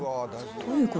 どういうこと？